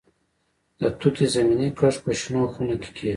د توت زمینی کښت په شنو خونو کې کیږي.